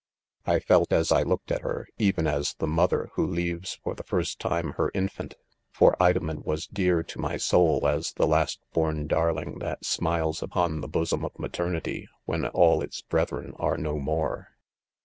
"1 felt, as'l looked»at her, even as the /moth er, who leaves, for the first time, '. her infant ; for Idomen was dear to my son I. as the last born darling that smiles upon the bosom of maternity" when all its brethren ■ are ■•no< more.